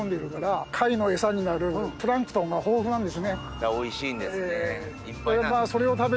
だからおいしいんですね。